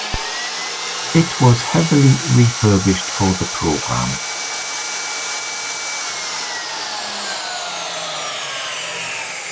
It was heavily refurbished for the programme.